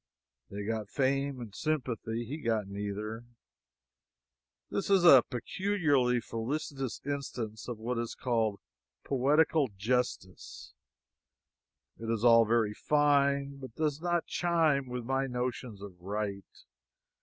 They got fame and sympathy he got neither. This is a peculiarly felicitous instance of what is called poetical justice. It is all very fine; but it does not chime with my notions of right.